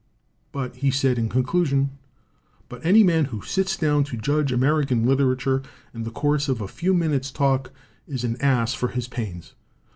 But he said, in conclusion: "But any man who sits down to judge American literature in the course of a few minutes* talk is an ass for his pains.